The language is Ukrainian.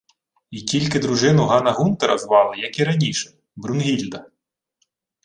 Й тільки дружину Гана-Гунтера звали, як і раніше, Брунгільда.